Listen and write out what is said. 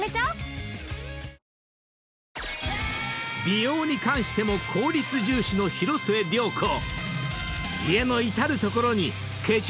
［美容に関しても効率重視の広末涼子］